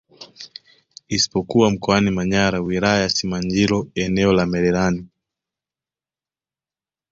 Isipokuwa Mkoani Manyara Wilaya ya Simanjiro eneo la Mererani